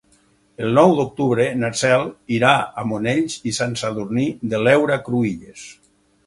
El nou d'octubre na Cel irà a Monells i Sant Sadurní de l'Heura Cruïlles.